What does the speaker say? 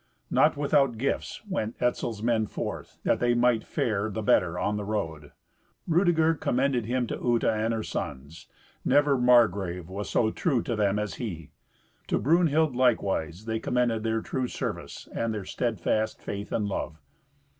Not without gifts went Etzel's men forth, that they might fare the better on the road. Rudeger commended him to Uta and her sons; never Margrave was so true to them as he. To Brunhild, likewise, they commended their true service and their steadfast faith and love.